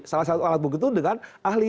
salah satu alat begitu dengan ahli